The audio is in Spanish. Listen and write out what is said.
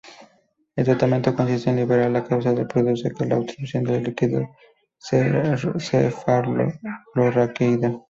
El tratamiento consiste en liberar la causa que produce la obstrucción del líquido cefalorraquídeo.